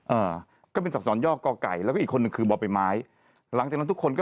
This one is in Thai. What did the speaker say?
อืมอ่าก็เป็นอักษรยอกกลอกไก่แล้วก็อีกคนนึงคือบอกเป็นไม้หลังจากนั้นทุกคนก็